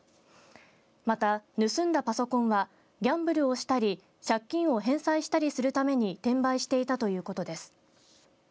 また、盗んだパソコンはギャンブルをしたり借金を返済したりするために転売していたということです。